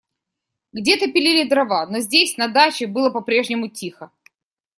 Где-то пилили дрова, но здесь, на даче, было по-прежнему тихо.